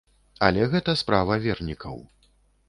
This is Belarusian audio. Але гэта справа вернікаў.